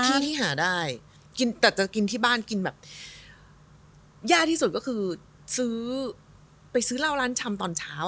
ที่ที่หาได้กินแต่จะกินที่บ้านกินแบบยากที่สุดก็คือซื้อไปซื้อเหล้าร้านชำตอนเช้า